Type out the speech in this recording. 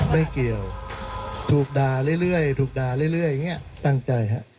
ไม่เกี่ยวถูกด่าเรื่อยเรื่อยถูกด่าเรื่อยเรื่อยอย่างเงี้ยตั้งใจฮะ